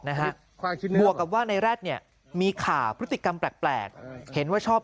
นะฮะบวกกับว่าในแร็ดเนี่ยมีข่าวพฤติกรรมแปลกเห็นว่าชอบ